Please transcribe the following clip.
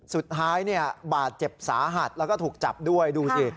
สุดท้ายบาดเจ็บสาหัสแล้วก็ถูกจับด้วย